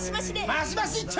マシマシ一丁！